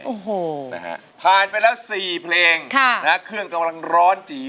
โอ้โหนะฮะผ่านไปแล้ว๔เพลงค่ะนะฮะเครื่องกำลังร้อนจี